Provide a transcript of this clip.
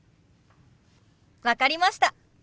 分かりました。